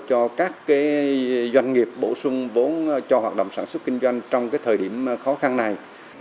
cho các doanh nghiệp bổ sung vốn cho hoạt động sản xuất kinh doanh trong thời điểm khó khăn này